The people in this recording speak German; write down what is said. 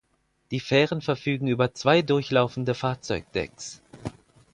Die Fähren verfügen über zwei durchlaufende Fahrzeugdecks.